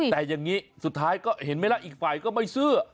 แต่อย่างนี้สุดท้ายก็เห็นไหมล่ะอีกฝ่ายก็ไม่ซื่อ